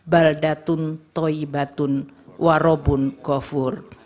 baldatun toyibatun warobun gofur